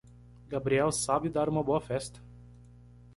Gabriel sabe dar uma boa festa.